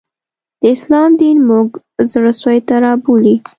د اسلام دین موږ زړه سوي ته رابولي